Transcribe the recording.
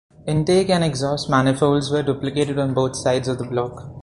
Intake and exhaust manifolds were duplicated on both sides of the block.